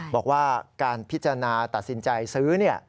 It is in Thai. บอกว่าการพิจารณาตัดสินใจซื้อ